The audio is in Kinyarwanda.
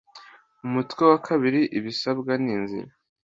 umutwe wa kabiri ibisabwa n inzira